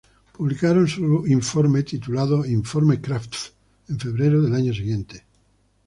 Publicaron su reporte, titulado "Informe Kraft", en febrero del año siguiente.